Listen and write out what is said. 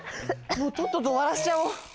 もうとっととおわらしちゃおう。